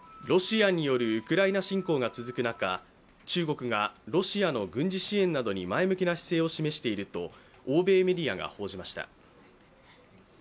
ロシアによるウクライナ侵攻が続く中、中国がロシアの軍事支援などに前向きな姿勢を示していると欧米メディアが報じました。